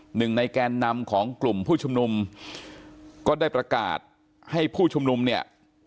หนึ่งในแกนนำของกลุ่มผู้ชุมนุมก็ได้ประกาศให้ผู้ชุมนุมเนี่ย